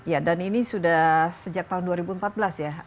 ya dan ini sudah sejak tahun dua ribu empat belas ya